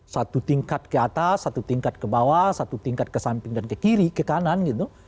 satu tingkat ke atas satu tingkat ke bawah satu tingkat ke samping dan ke kiri ke kanan gitu